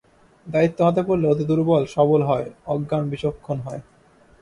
দায়িত্ব হাতে পড়লে অতি-দুর্বল সবল হয়, অজ্ঞান বিচক্ষণ হয়।